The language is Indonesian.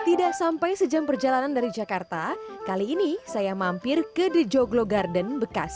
tidak sampai sejam perjalanan dari jakarta kali ini saya mampir ke dejoglogarden wordpress